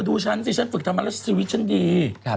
ดูฉันสิฉันฝึกทำมาแล้วชีวิตฉันดี